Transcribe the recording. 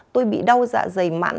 tôi bị đau dạ dày mạnh